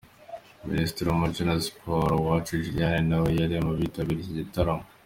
Minisitiri w'umuco na siporo, Uwacu Julienne na we yari mu bitabiriye iki gitaramo.